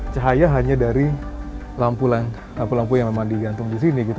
cahaya hanya dari lampu lampu yang memang digantung di sini gitu